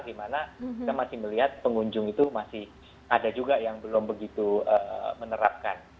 di mana kita masih melihat pengunjung itu masih ada juga yang belum begitu menerapkan